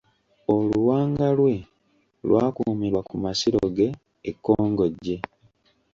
Oluwanga lwe lwakuumirwa ku masiro ge, e Kkongojje.